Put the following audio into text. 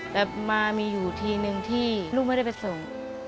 แต่มามีอยู่ทีนึงที่ลูกไม่ได้ไปส่ง